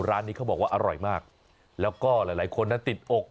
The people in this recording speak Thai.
ร้านนี้เขาบอกว่าอร่อยมากแล้วก็หลายหลายคนนะติดอก